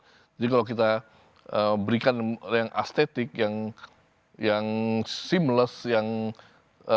jadi kalau kita berikan yang aesthetic yang seamless yang artistic